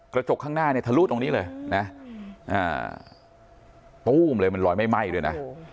กระจกข้างหน้าเนี่ยทะลุตรงนี้เลยนะตู้มเลยมันลอยไม่ไหม้ด้วยนะ